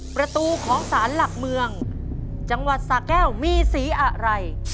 ประตูของสารหลักเมืองจังหวัดสาแก้วมีสีอะไร